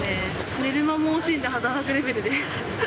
寝る間も惜しんで働くレベルで。